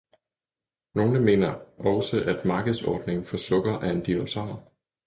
Nogle mener også, at markedsordningen for sukker er en dinosaur.